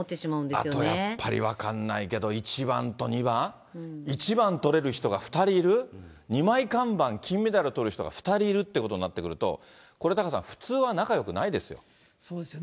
あとやっぱり、分かんないけど、１番と２番、１番取れる人が２人いる、二枚看板、金メダルとる人が２人いるってことになってくると、これ、タカさん、そうですよね。